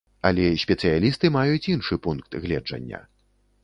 Але спецыялісты маюць іншы пункт гледжання.